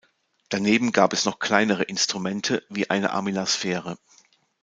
Daneben gab es noch kleinere Instrumente wie eine Armillarsphäre.